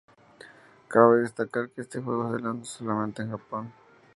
Cabe destacar que este juego se lanzó solamente en Japón.